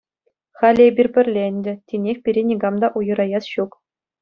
Халӗ эпир пӗрле ӗнтӗ, тинех пире никам та уйӑраяс ҫук.